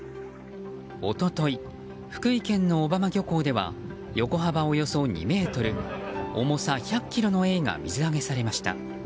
一昨日、福井県の小浜漁港では横幅およそ２ｍ重さ１００ｋｇのエイが水揚げされました。